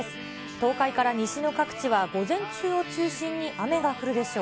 東海から西の各地は、午前中を中心に雨が降るでしょう。